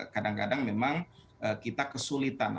kadang kadang memang kita kesulitan